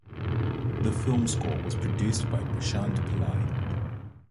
The film score was produced by Prashant Pillai.